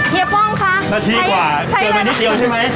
ป้องคะนาทีกว่าเกินไปนิดเดียวใช่ไหม